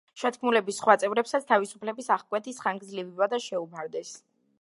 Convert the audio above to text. შეთქმულების სხვა წევრებსაც თავისუფლების აღკვეთის ხანგრძლივი ვადა შეუფარდეს.